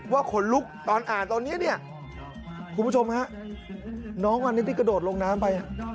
ขนลุกตอนอ่านตอนนี้เนี่ยคุณผู้ชมฮะน้องวันนี้ที่กระโดดลงน้ำไป